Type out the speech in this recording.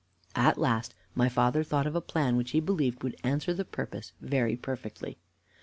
"At last my father thought of a plan which he believed would answer the purpose very perfectly.